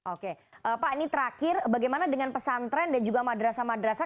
oke pak ini terakhir bagaimana dengan pesantren dan juga madrasah madrasah